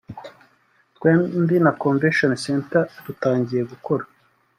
twembi na Convention Centre dutangiye gukora